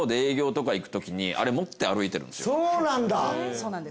そうなんだ！